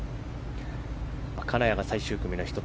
金谷が最終組の１つ。